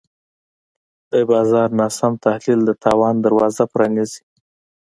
د بازار ناسم تحلیل د تاوان دروازه پرانیزي.